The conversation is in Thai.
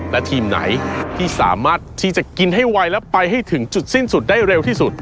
และทีมไหนที่สามารถที่จะกินให้ไวและไปให้ถึงจุดสิ้นสุดได้เร็วที่สุด